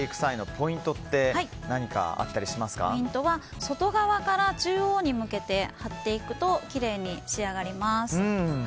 ポイントは外側から中央に向け貼っていくときれいに仕上がります。